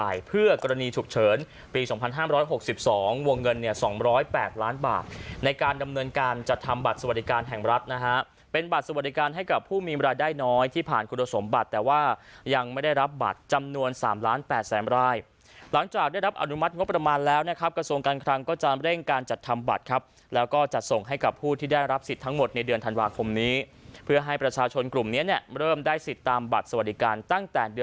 ให้จ่ายเพื่อกรณีฉุกเฉินปี๒๕๖๒วงเงินเนี่ย๒๐๘ล้านบาทในการดำเนินการจัดทำบัตรสวรรครรมแห่งรัฐนะฮะเป็นบัตรสวรรครรมให้กับผู้มีเวลาได้น้อยที่ผ่านคุณสมบัตรแต่ว่ายังไม่ได้รับบัตรจำนวน๓๘๐๐๐๐๐บาทหลังจากได้รับอนุมัติงบประมาณแล้วนะครับกระทรวงการครังก็จำเร่งการจัดทำบัตรครั